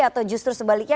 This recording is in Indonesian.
atau justru sebaliknya